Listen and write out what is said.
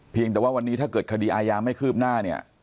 เพียงแต่ว่าวันนี้ถ้าเกิดคดีอายาไม่คืบหน้า